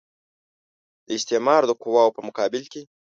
د استعمار د قواوو په مقابل کې.